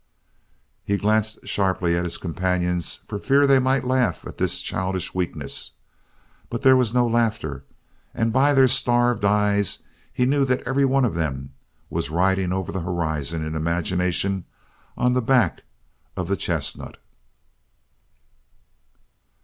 He glanced sharply at his companions for fear they might laugh at this childish weakness, but there was no laughter and by their starved eyes he knew that every one of them was riding over the horizon in imagination, on the back of the chestnut.